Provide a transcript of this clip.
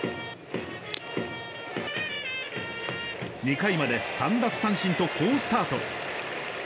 ２回まで３奪三振と好スタート。